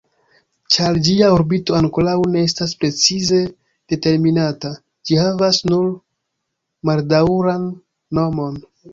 Ĉar ĝia orbito ankoraŭ ne estas precize determinata, ĝi havas nur maldaŭran nomon.